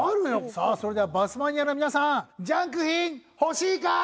さあそれではバスマニアの皆さんジャンク品欲しいかー！